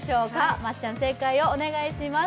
まっちゃん、正解をお願いします。